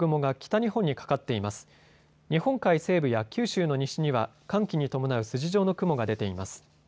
日本海西部や九州の西には寒気に伴う筋状の雲が出ています。